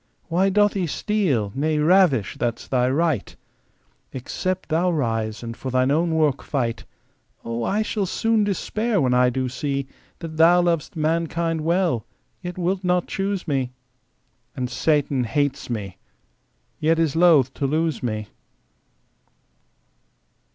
Why doth he steal, nay ravish, that's Thy right ? Except Thou rise and for Thine own work fight, O ! I shall soon despair, when I shall see That Thou lovest mankind well, yet wilt not choose me, And Satan hates me, yet is loth to lose me.